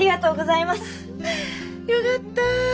よかった。